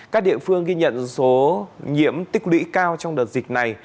các địa phương ghi nhận số nhiễm tích lũy cao trong đợt dịch này